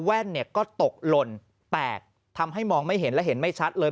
แว่นเนี่ยก็ตกหล่นแตกทำให้มองไม่เห็นและเห็นไม่ชัดเลย